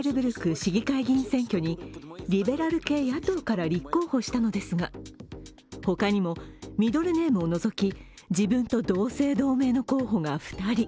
市議会議員選挙にリベラル系野党から立候補したのですが他にもミドルネームを除き自分と同姓同名の候補が２人。